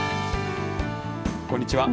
こんにちは。